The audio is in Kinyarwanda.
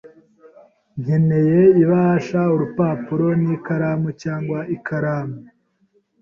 Nkeneye ibahasha, urupapuro, n'ikaramu cyangwa ikaramu.